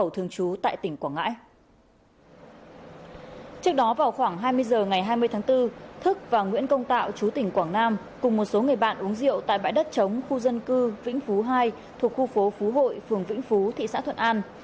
trước đó vào khoảng hai mươi h ngày hai mươi tháng bốn thức và nguyễn công tạo chú tỉnh quảng nam cùng một số người bạn uống rượu tại bãi đất chống khu dân cư vĩnh phú hai thuộc khu phố phú hội phường vĩnh phú thị xã thuận an